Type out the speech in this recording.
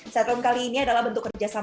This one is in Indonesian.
set room kali ini adalah bentuk kerjasama